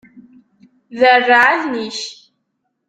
Derreɛ allen-ik.